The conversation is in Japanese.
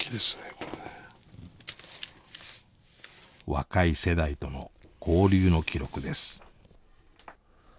若い世代との交流の記録です。